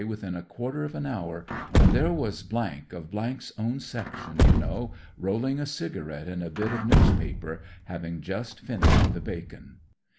■ i I within a quarter of an hour, and there was 1 of 's own section, you know, rolling a cigarette in a bit of news paper, having just finished the bacon.